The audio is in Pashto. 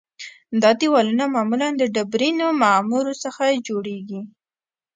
دا دیوالونه معمولاً د ډبرینو معمورو څخه جوړیږي